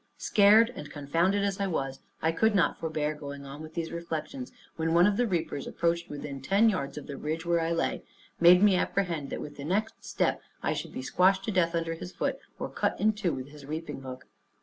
Scared and confounded as I was, I could not forbear going on with these reflections, when one of the reapers approaching within ten yards of the ridge where I lay, made me apprehend that with the next step I should be squashed to death under his foot, or cut in two with his reaping hook.